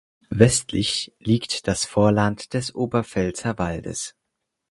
Westlich liegt das Vorland des Oberpfälzer Waldes.